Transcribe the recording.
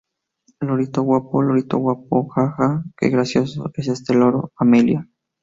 Lorito guapo, lorito guapo, ¡ ja! ¡ ja! que gracioso es este loro Amelia